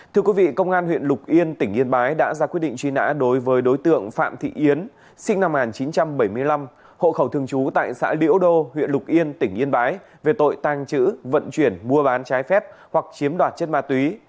thưa quý vị công an huyện lục yên tỉnh yên bái đã ra quyết định truy nã đối với đối tượng phạm thị yến sinh năm một nghìn chín trăm bảy mươi năm hộ khẩu thường trú tại xã liễu đô huyện lục yên tỉnh yên bái về tội tàng trữ vận chuyển mua bán trái phép hoặc chiếm đoạt chất ma túy